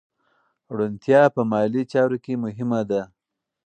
روڼتیا په مالي چارو کې مهمه ده.